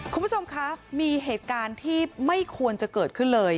คุณผู้ชมคะมีเหตุการณ์ที่ไม่ควรจะเกิดขึ้นเลย